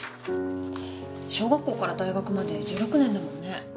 小学校から大学まで１６年だもんね。